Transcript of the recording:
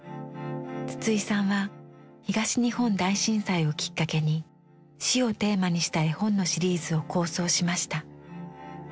筒井さんは東日本大震災をきっかけに「死」をテーマにした絵本のシリーズを構想しました。